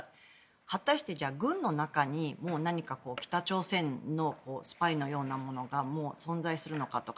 果たしてじゃあ軍の中にも何か北朝鮮のスパイのようなものがもう存在するのかとか。